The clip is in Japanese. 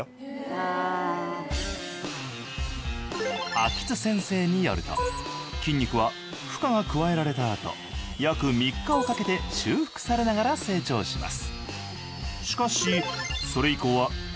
秋津先生によると筋肉は負荷が加えられたあと約３日をかけて修復されながら成長します。